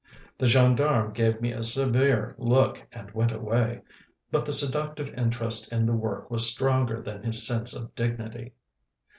The gendarme gave me a severe look and went away; but the seductive interest in the work was stronger than his sense of dignity.